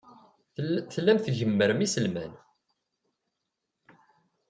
Tellam tgemmrem iselman.